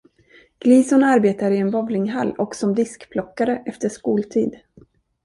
Gleason arbetade i en bowlinghall och som diskplockare efter skoltid.